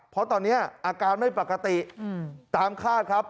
เพราะตอนนี้อาการไม่ปกติตามคาดครับ